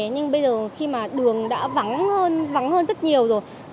nhưng bây giờ khi mà đường đã vắng hơn rất nhiều rồi